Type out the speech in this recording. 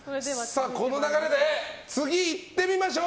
この流れで次行ってみましょう。